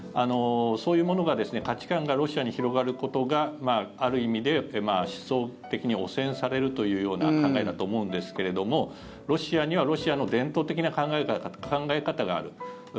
そういうものが、価値観がロシアに広がることがある意味で思想的に汚染されるというような考えだと思うんですけれどもロシアにはロシアの伝統的な考え方がある。